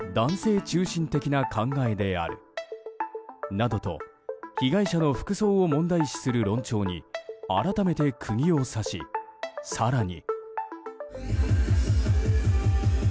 などと被害者の服装を問題視する論調に改めて釘を刺し、更に。